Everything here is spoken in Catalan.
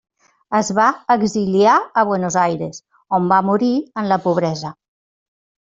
Es va exiliar a Buenos Aires, on va morir en la pobresa.